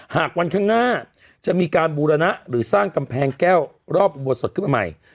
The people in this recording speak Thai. หากวันข้างหน้าจะมีการบูรณะหรือสร้างกำแพงแก้วรอบอุโบสถขึ้นมาใหม่